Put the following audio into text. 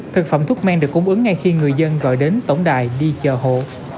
thực phẩm thuốc men được cung ứng ngay khi người dân gọi đến tổng đài đi chờ hộ